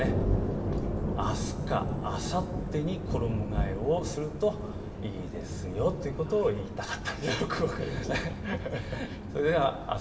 あすかあさってに衣がえをするといいですよということを言いたかったんです。